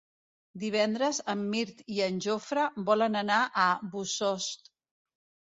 Divendres en Mirt i en Jofre volen anar a Bossòst.